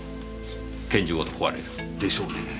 拳銃ごと壊れる。でしょうね。